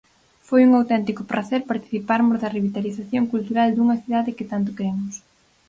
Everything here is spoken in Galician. Foi un auténtico pracer participarmos da revitalización cultural dunha cidade que tanto queremos.